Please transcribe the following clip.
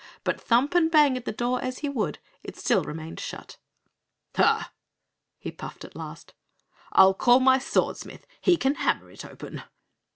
But thump and bang at the door as he would, it still remained shut. "Ha!" he puffed at last, "I'll call my Swordsmith! He can hammer it open!"